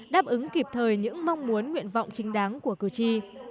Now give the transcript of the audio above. đáp ứng kịp thời những mong muốn nguyện vọng chính đáng của cử tri